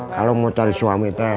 kalau mau cari suami